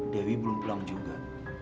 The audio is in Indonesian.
dewi belum pulang juga